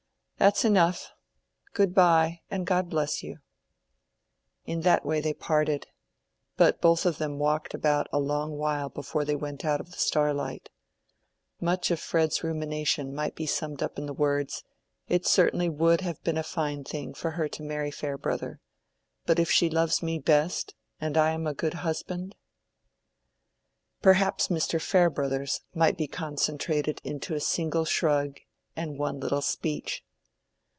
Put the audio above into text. "That's enough. Good by, and God bless you." In that way they parted. But both of them walked about a long while before they went out of the starlight. Much of Fred's rumination might be summed up in the words, "It certainly would have been a fine thing for her to marry Farebrother—but if she loves me best and I am a good husband?" Perhaps Mr. Farebrother's might be concentrated into a single shrug and one little speech.